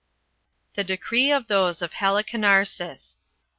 The decree of those of Halicarnassus.